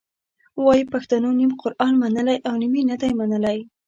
وایي پښتنو نیم قرآن منلی او نیم یې نه دی منلی.